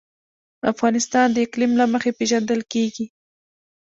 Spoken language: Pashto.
افغانستان د اقلیم له مخې پېژندل کېږي.